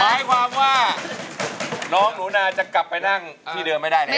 หมายความว่าน้องหนูนาจะกลับไปนั่งที่เดิมไม่ได้แน่